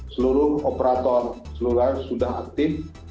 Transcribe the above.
seluruh operator seluler sudah aktif